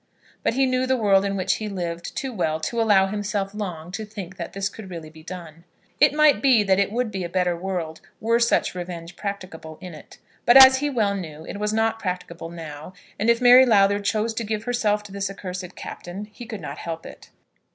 But he knew the world in which he lived too well to allow himself long to think that this could really be done. It might be that it would be a better world were such revenge practicable in it; but, as he well knew, it was not practicable now, and if Mary Lowther chose to give herself to this accursed Captain, he could not help it.